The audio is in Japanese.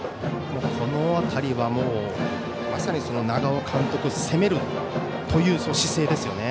この辺りはまさに長尾監督の攻めるという姿勢ですよね。